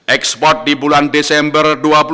ekspor di bulan desember dua ribu dua puluh